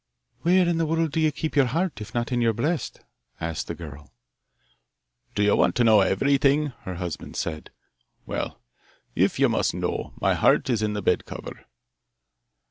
'Where in all the world do you keep your heart, if not in your breast?' asked the girl. 'Do you want to know everything?' her husband said. 'Well, if you must know, my heart is in the bed cover.